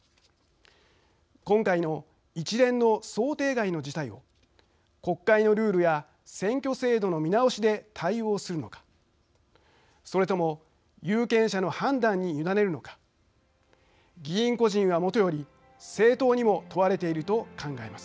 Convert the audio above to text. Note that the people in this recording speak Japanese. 今回の一連の想定外の事態を国会のルールや選挙制度の見直しで対応するのかそれとも有権者の判断に委ねるのか議員個人はもとより政党にも問われていると考えます。